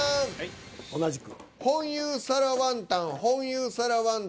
同じく。